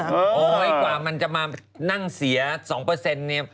กว่ามันจะมานั่งเสีย๒เนี่ย